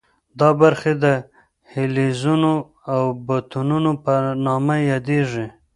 دا برخې د دهلیزونو او بطنونو په نامه یادېږي.